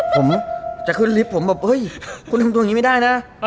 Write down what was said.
ผมจะขึ้นลิฟต์ผมแบบเฮ้ยคุณทำตัวอย่างนี้ไม่ได้นะ